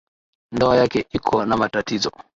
Ndoa yake iko na matatizo.